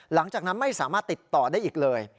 หลังจากนั้นไม่สามารถติดต่อได้อีกเลย